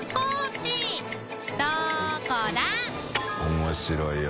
面白いわ。